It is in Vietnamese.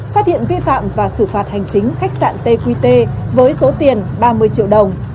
phát hiện vi phạm và xử phạt hành chính khách sạn tqt với số tiền ba mươi triệu đồng